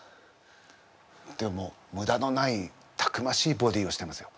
でもむだのないたくましいボディーをしてますよ。